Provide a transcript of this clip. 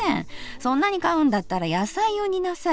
そんなに買うんだったら野菜を煮なさい。